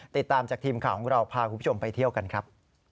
ติดตามจากทีมข่าวของเราพาคุณผู้ชมไปเที่ยวกันครับ